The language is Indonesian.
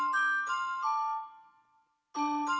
ini mbak mbak ketinggalan